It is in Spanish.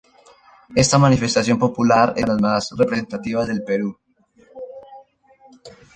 Esta manifestación popular es una de las más representativas del Perú.